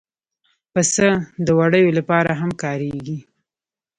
پسه د وړیو لپاره هم کارېږي.